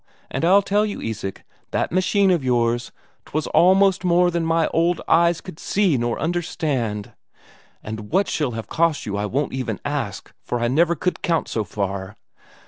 And I'll tell you, Isak, that machine of yours, 'twas almost more than my old eyes could see nor understand. And what she'll have cost you I won't even ask for I never could count so far.